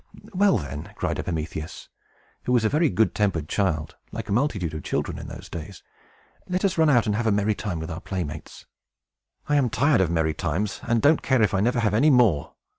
"Well, then," said Epimetheus, who was a very good tempered child, like a multitude of children in those days, "let us run out and have a merry time with our playmates." "I am tired of merry times, and don't care if I never have any more!"